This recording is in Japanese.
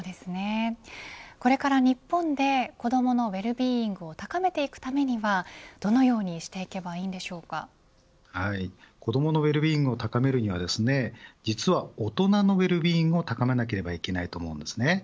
これから日本で子どものウェルビーイングを高めていくためにはどのように子どものウェルビーイングを高めるには実は、大人のウェルビーイングを高めなければいけないと思います。